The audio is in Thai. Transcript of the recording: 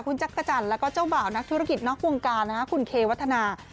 คุณจักรจันทร์แล้วก็เจ้าบ่าวนักธุรกิจนอกวงการคุณเควัฒนา